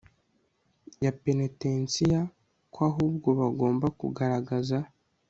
ya penetensiya ko ahubwo bagomba kugaragaza